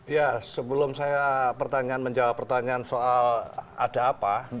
ya sebelum saya menjawab pertanyaan soal ada apa